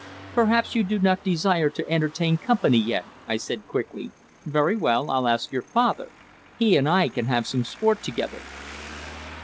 "Perhaps you do not desire to entertain company yet?" I said quickly. "Very well; I'll ask your father; he and I can have some sport together."